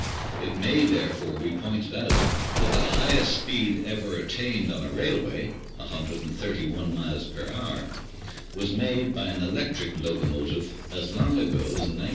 It may, therefore, be pointed out that the highest speed ever attained on a railway 131 miles per hour was made by an electric locomotive as long ago as 1903.